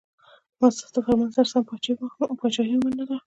ما ستاسو د فرمان سره سم پاچهي ومنله.